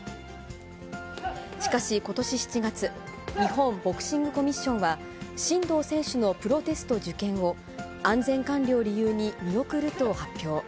しかし、ことし７月、日本ボクシングコミッションは、真道選手のプロテスト受験を、安全管理を理由に見送ると発表。